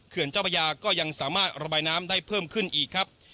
เจ้าพระยาก็ยังสามารถระบายน้ำได้เพิ่มขึ้นอีกครับ